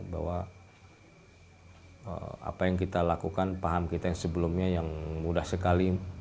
bahwa apa yang kita lakukan paham kita yang sebelumnya yang mudah sekali